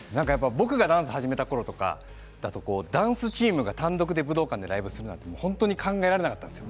僕がダンスを始めたころとかはダンスチームが単独で武道館でライブをするなんて考えられなかったんですよ。